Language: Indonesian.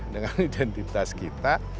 dengan identitas kita